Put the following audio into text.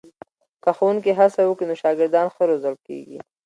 که ښوونکي هڅه وکړي نو شاګردان ښه روزل کېږي.